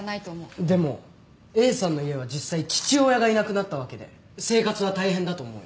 でもＡさんの家は実際父親がいなくなったわけで生活は大変だと思うよ。